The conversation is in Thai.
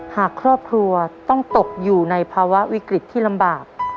หากครอบครัวต้องตกอยู่ในภาวะวิกฤตที่ลำบาก